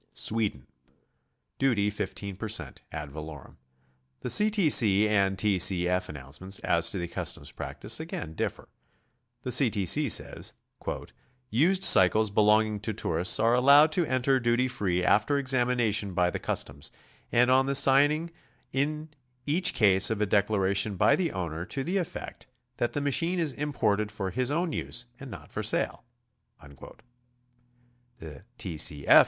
SWEDEN. Duty, 15 per cent, ad valorem. The C. T. C. and T. C. F. announcements as to the customs practice again differ. The C. T. C. says: "Used cycles belonging to tourists are allowed to enter duty free after examination by the customs, and on the signing in eadh case of a declara tion by the owner to the effect that the machine is imported for his own use and not for sale." The T. C. F.